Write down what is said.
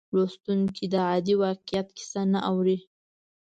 لوستونکی د عادي واقعیت کیسه نه اوري.